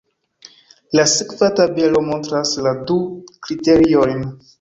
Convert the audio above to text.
La sekva tabelo montras la du kriteriojn.